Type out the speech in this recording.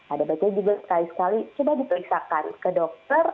ada bagian juga sekali sekali coba diperiksakan ke dokter